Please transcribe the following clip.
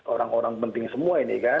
orang orang penting semua ini kan